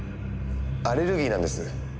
アレルギーなんです。